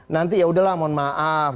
nanti yaudahlah mohon maaf